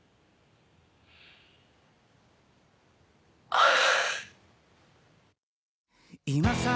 ああ。